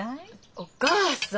お義母さん？